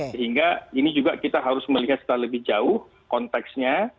sehingga ini juga kita harus melihat secara lebih jauh konteksnya